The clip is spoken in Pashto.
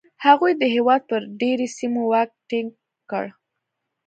هغوی د هېواد پر ډېری سیمو واک ټینګ کړ